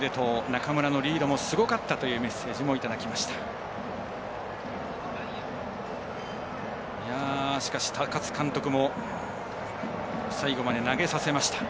中村のリードもすごかったというメッセージもいただきました。